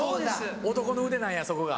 男の腕なんやそこが。